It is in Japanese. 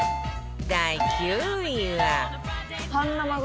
第９位は